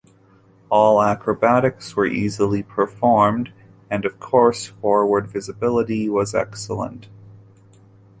All acrobatics were easily performed, and of course forward visibility was excellent.